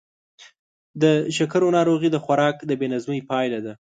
د شکرو ناروغي د خوراک د بې نظمۍ پایله ده.